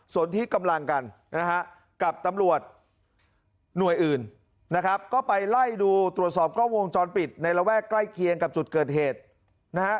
ส่วนที่กำลังกันนะฮะกับตำรวจหน่วยอื่นนะครับก็ไปไล่ดูตรวจสอบกล้องวงจรปิดในระแวกใกล้เคียงกับจุดเกิดเหตุนะฮะ